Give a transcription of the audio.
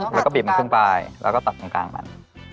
แล้วก็บีบมันขึ้นไปแล้วก็ตัดตรงกลางอีกรอบหนึ่ง